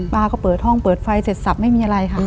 ป้าก็เปิดห้องเปิดไฟเสร็จสับไม่มีอะไรค่ะ